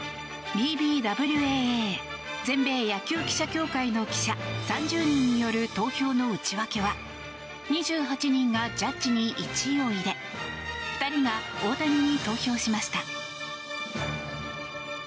ＢＢＷＡＡ・全米野球記者協会の記者３０人による投票の内訳は２８人がジャッジに１位を入れ２人が大谷に投票しました。